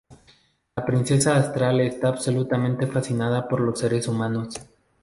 La princesa Astral está absolutamente fascinada por los seres humanos.